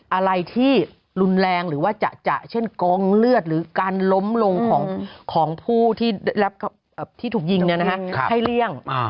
อะไรที่รุนแรงหรือว่าจะเช่นกองเลือดหรือการล้มลงของผู้ที่ถูกยิงให้เลี่ยง